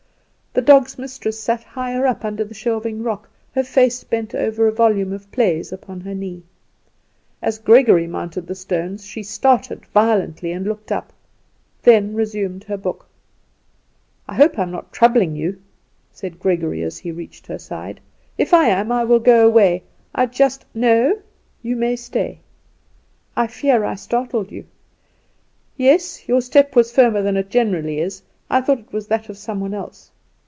The dog's mistress sat higher up, under the shelving rock, her face bent over a volume of plays upon her knee. As Gregory mounted the stones she started violently and looked up; then resumed her book. "I hope I am not troubling you," said Gregory as he reached her side. "If I am I will go away. I just " "No; you may stay." "I fear I startled you." "Yes; your step was firmer than it generally is. I thought it was that of some one else."